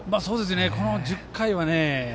この１０回はね。